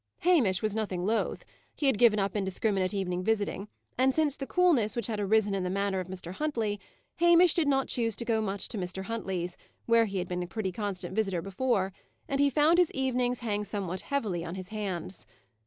Hamish was nothing loth. He had given up indiscriminate evening visiting; and, since the coolness which had arisen in the manner of Mr. Huntley, Hamish did not choose to go much to Mr. Huntley's, where he had been a pretty constant visitor before; and he found his evenings hang somewhat heavily on his hands.